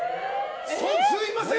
すみません。